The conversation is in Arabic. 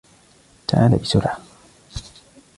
تعالَ بسرعة!